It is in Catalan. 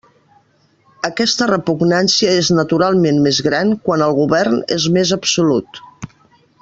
Aquesta repugnància és naturalment més gran quan el govern és més absolut.